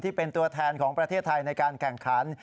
ที่เป็นตัวแทนของประเทศไทยในการแข่งขัน